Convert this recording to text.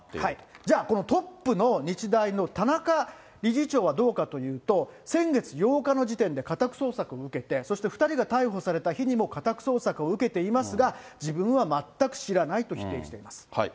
じゃあこのトップの日大の田中理事長はどうかというと、先月８日の時点で家宅捜索を受けて、そして２人が逮捕された日にも家宅捜索を受けていますが、自分は全く知らないと否定しています。